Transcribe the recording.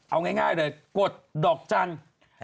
เอาง่ายเลยกดดอกจันทร์